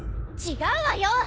違うわよ。